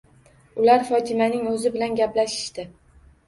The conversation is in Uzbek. Ular Fotimaning o'zi bilan gaplashishdi.